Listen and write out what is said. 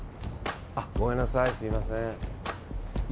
ごめんなさい、すみません。